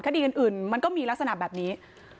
คดีอื่นมันก็มีลักษณะแบบนี้